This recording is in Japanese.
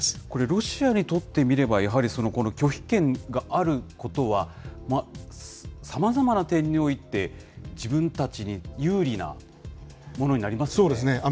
これ、ロシアにとってみれば、やはり拒否権があることは、さまざまな点において自分たちに有利なものになりますよね。